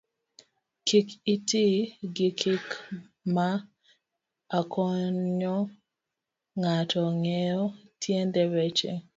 Kik iti gi gik m akonyo ng'ato ng'eyo tiend weche